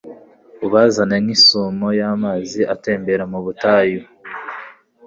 ubazane nk'isumo y'amazi atembera mu butayu